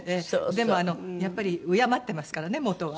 でもやっぱり敬ってますからね元は。